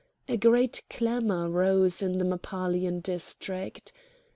A great clamour arose in the Mappalian district.